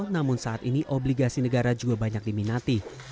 namun saat ini obligasi negara juga banyak diminati